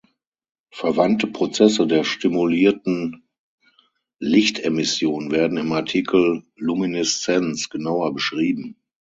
Verwandte Prozesse der stimulierten Lichtemission werden im Artikel Lumineszenz genauer beschrieben.